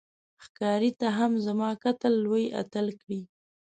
ښکاري ته هم زما قتل لوی اتل کړې